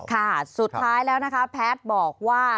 ค่ะสุดท้ายแล้วนะคะแพทย์บอกว่า